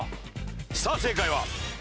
さあ正解は。